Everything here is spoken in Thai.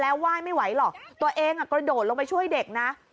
ไหว้ไม่ไหวหรอกตัวเองกระโดดลงไปช่วยเด็กนะ